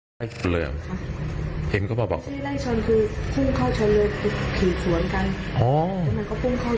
มันไม่ได้เป็นทางโค้งด้วยที่เห็นว่าเค้าบอกบังรุกว่ามันน่ามีทางโค้ง